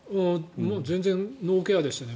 全然、ノーケアでしたね。